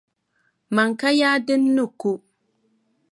Mani ka yaa din ni ko.